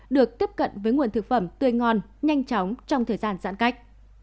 được tiếp cận với nguồn thực phẩm tươi ngon nhanh chóng trong thời gian giãn cách